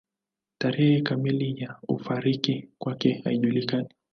Tarehe kamili ya kufariki kwake haijulikani.